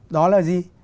đó là gì